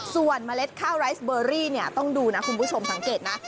ส่วนเมล็ดข้าวไรสเบอรี่เนี่ยต้องดูนะคุณผู้ชมสังเกตนะ